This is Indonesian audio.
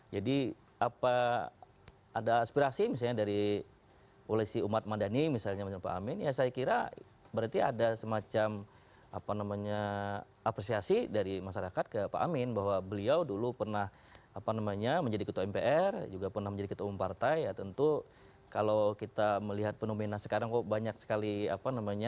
jadi apa ada aspirasi misalnya dari polisi umat manadi misalnya pak amin ya saya kira berarti ada semacam apa namanya apresiasi dari masyarakat ke pak amin bahwa beliau dulu pernah apa namanya menjadi ketua mpr juga pernah menjadi ketua umum partai ya tentu kalau kita melihat penumina sekarang kok banyak sekali apa namanya